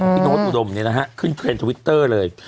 พี่โน้ตอุดมนี่นะฮะขึ้นเทรนด์ทวิตเตอร์เลย